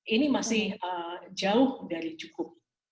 ini masih jauh dari cukup